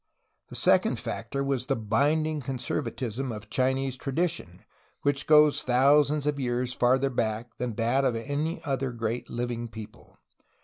The second factor was the binding conservatism of Chinese tradition, which goes thousands of years farther back than that of any other great Uving peo ple.